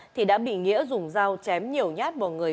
thì đã bị nghĩa dùng dao chém nhiều nhát vào người